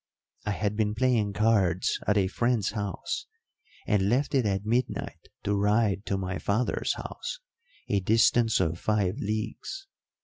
I had been playing cards at a friend's house, and left it at midnight to ride to my father's house, a distance of five leagues.